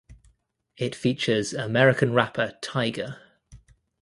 It features American rapper Tyga.